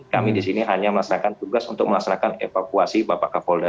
kami di sini hanya melaksanakan tugas untuk melaksanakan evakuasi bapak kapolda